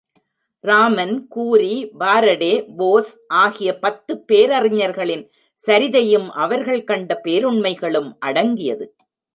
Raman, Curie, Faraday, Bose ஆகிய பத்து பேரறிஞர்களின் சரிதையும் அவர்கள் கண்ட பேருண்மைகளும் அடங்கியது.